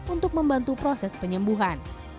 untuk membantu proses penyembuhan